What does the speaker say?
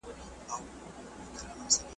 اوس به څوک د مظلومانو چیغي واوري .